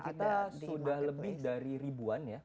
kita sudah lebih dari ribuan ya